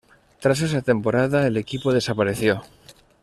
Tras esa temporada, el equipo desapareció.